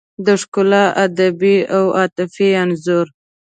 د ښکلا ادبي او عاطفي انځور